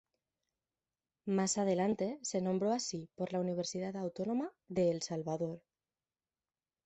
Más adelante, se nombró así por la Universidad Autónoma de El Salvador.